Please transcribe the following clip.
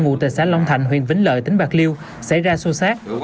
ngủ tại xã long thạnh huyện vĩnh lợi tỉnh bạc lưu xảy ra xô xát